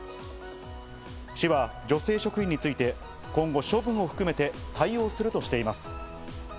市は女性職員について今後、処分を含めて対応するとしています。